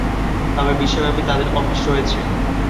তবে বিশ্বব্যাপী তাদের অফিস রয়েছে।